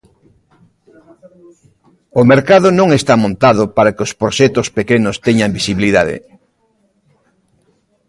O mercado non está montado para que os proxectos pequenos teñan visibilidade.